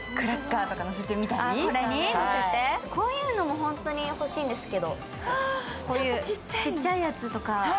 こういうのも本当に欲しいんですけど、ちっちゃいやつとか。